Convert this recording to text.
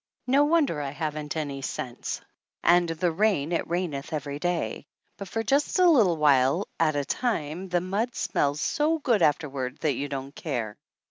No wonder I haven't any sense! "And the rain it raineth every day," but for just a little while at a time, and the mud smells so good afterward that you don't care.